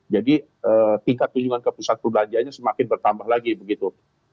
jadi tingkat tujuan ke pusat perbelanjaannya semakin bertambah lagi begitu